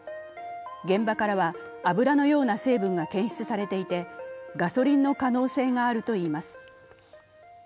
現場からは油のような成分が検出されていて、ガソリンの可能性があるといいます。